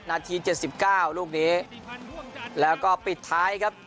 นาทีเจ็ดสิบเก้าลูกนี้แล้วก็ปิดท้ายครับ